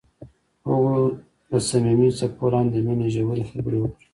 هغوی د صمیمي څپو لاندې د مینې ژورې خبرې وکړې.